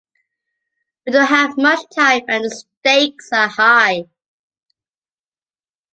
We don't have much time, and the stakes are high.